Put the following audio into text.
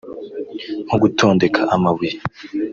nko gutondeka amabuye